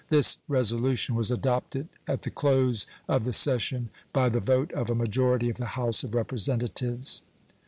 This resolution was adopted at the close of the session by the vote of a majority of the House of Representatives.